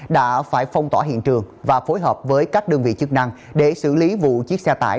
đã phải phong tỏa hiện trường và phối hợp với các đơn vị chức năng để xử lý vụ chiếc xe tải